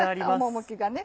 趣がね。